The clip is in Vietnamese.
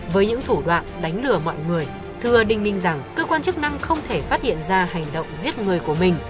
với những thủ đoạn đánh lừa mọi người thưa đinh minh rằng cơ quan chức năng không thể phát hiện ra hành động giết người của mình